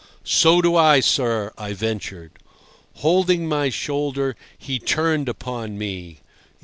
"So do I, sir," I ventured. Holding my shoulder, he turned upon me.